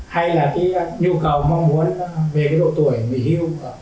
hay là cái nhu cầu mong muốn về độ tuổi nghỉ hưu